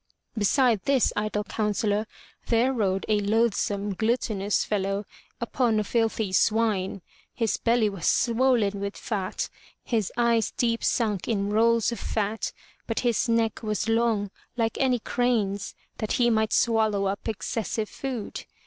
Beside this idle counsellor there rode a loathsome gluttonous fellow upon a filthy swine. His belly was swollen with fat, his eyes deep sunk in rolls of fat, but his neck was long like any crane's, that he might swallow up excessive food.